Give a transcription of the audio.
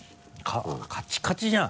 カチカチじゃん。